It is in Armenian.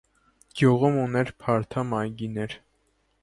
Գյուղն ուներ փարթամ այգիներ։